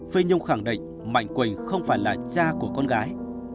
phê nhung khẳng định mạnh quỳnh không phải là cha của con gái